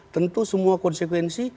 tentu semua konsekuensi